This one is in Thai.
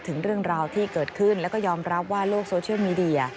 ถึงเรื่องราวที่เกิดขึ้นแล้วก็ยอมรับว่าโลกโซเชียลมีเดีย